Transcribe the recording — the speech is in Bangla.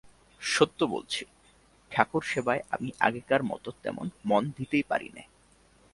সত্য বলছি, ঠাকুর-সেবায় আমি আগেকার মতো তেমন মন দিতেই পারি নে।